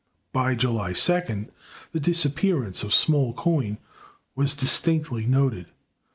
By July 2d the disappearance of small coin was distinctly noted.